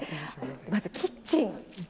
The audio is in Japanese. まずキッチン。